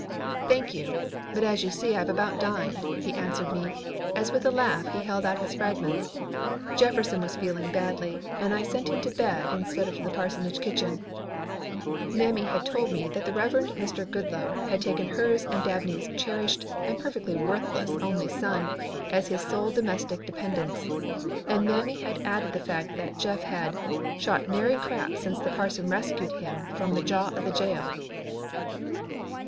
"Thank you, but as you see I've about dined," he answered me, as with a laugh he held out his fragments. "Jefferson was feeling badly and I sent him to bed instead of the parsonage kitchen." Mammy had told me that the Reverend Mr. Goodloe had taken hers and Dabney's cherished and perfectly worthless only son as his sole domestic dependence, and Mammy had added the fact that Jeff had "shot nary crap since the parson rescued him from the jaw of the jail."